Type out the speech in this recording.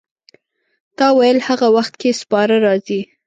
تا ویل هغه وخت کې سپاره راځي.